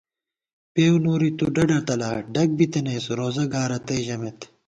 پېؤ نوری تُو ڈڈہ تلا ڈگ بِتَنَئیس، روزہ گا رتئ ژَمېت